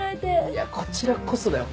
いやこちらこそだよ